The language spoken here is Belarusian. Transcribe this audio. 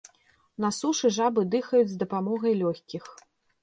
На сушы жабы дыхаюць з дапамогай лёгкіх.